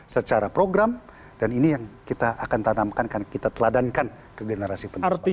secara program dan ini yang kita akan tanamkan kita teladankan ke generasi penerus